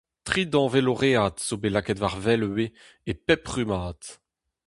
Tri danvez loread zo bet lakaet war wel ivez e pep rummad.